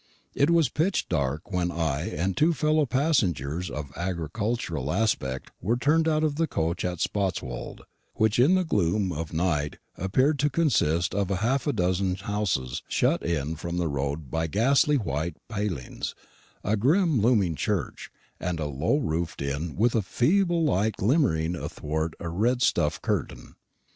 It was pitch dark when I and two fellow passengers of agricultural aspect were turned out of the coach at Spotswold, which in the gloom of night appeared to consist of half a dozen houses shut in from the road by ghastly white palings, a grim looming church, and a low roofed inn with a feeble light glimmering athwart a red stuff curtain.